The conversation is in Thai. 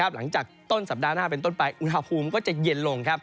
หลังจากต้นสัปดาห์หน้าเป็นต้นไปอุณหภูมิก็จะเย็นลง